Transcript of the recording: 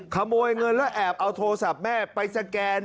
ขโมยเงินแล้วแอบเอาโทรศัพท์แม่ไปสแกน